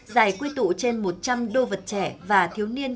giải quy tụ trên một trăm linh đô vật trẻ và thiếu niên